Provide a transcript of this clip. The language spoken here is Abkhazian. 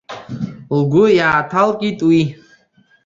Лгәы иааҭалкит уи.